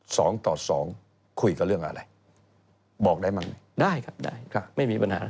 สองต่อสองคุยกับเรื่องอะไรบอกได้ไหมได้ครับได้ครับไม่มีปัญหา